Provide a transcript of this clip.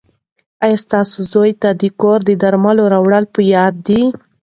ایا ستاسو زوی ته د کور د درملو راوړل په یاد دي؟